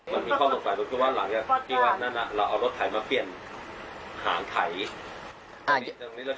มันมีข้อสงสัยว่าที่วันนั้นน่ะเราเอารถไถมาเปลี่ยนหางไถ